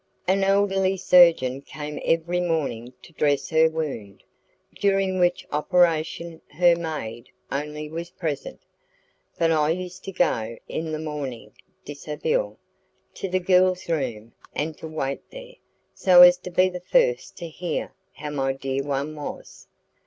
An elderly surgeon came every morning to dress her wound, during which operation her maid only was present, but I used to go, in my morning dishabille, to the girl's room, and to wait there, so as to be the first to hear how my dear one was.